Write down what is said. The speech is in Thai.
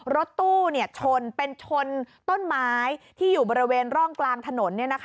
รถตู้ชนเป็นชนต้นไม้ที่อยู่บริเวณร่องกลางถนน